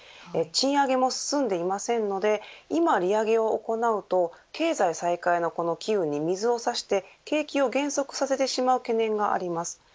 賃上げも進んでいませんので今、利上げを行うと経済再開の機運に水を差して景気を減速させてしまう懸念があります。